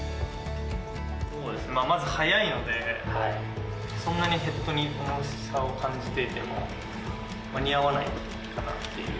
まず、速いので、そんなにヘッドに重さを感じていても間に合わないかなっていう。